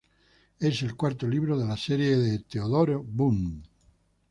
Es el cuarto libro de la serie de "Theodore Boone".